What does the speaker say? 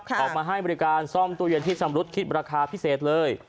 ออกมาให้บริการซ่อมตู้เย็นที่ชำรุดคิดราคาพิเศษเลย